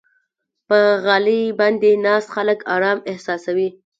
په غالۍ باندې ناست خلک آرام احساسوي.